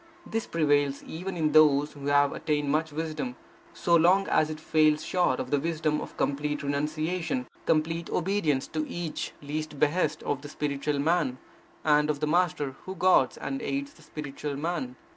This prevails even in those who have attained much wisdom, so long as it falls short of the wisdom of complete renunciation, complete obedience to each least behest of the spiritual man, and of the Master who guards and aids the spiritual man.